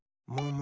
む？